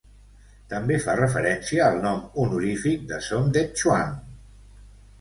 També fa referència al nom honorífic de Somdet Chuang.